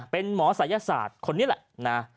เป็นหมอศัยศาสตร์คนนี้แหละนะ